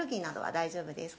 大丈夫です。